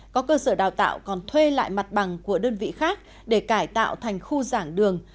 có cơ sở đào tạo còn thuê lại mặt bằng của đơn vị khác để cải tạo thành khu giảng đường